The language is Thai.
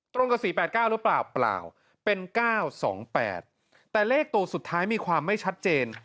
ตรงกับ๔๘๙หรือเปล่าเปล่าเป็น๙๒๘แต่เลขตัวสุดท้ายมีความไม่ชัดเจน